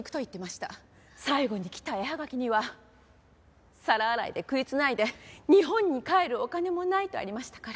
最後に来た絵はがきには皿洗いで食い繋いで日本に帰るお金もないとありましたから。